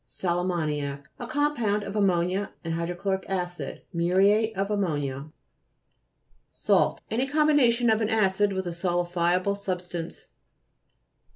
SAL AMMONIAC A compound of ammonia and hydrochloric acid. Muriate of ammonia. SALI'FEROUS FORMATION (p. 47). SALT Any combination of an acid with a saliiiable substance.